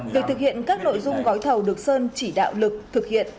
việc thực hiện các nội dung gói thầu được sơn chỉ đạo lực thực hiện